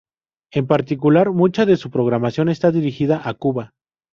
En particular, mucha de su programación está dirigida a Cuba.